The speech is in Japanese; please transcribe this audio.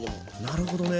なるほどね。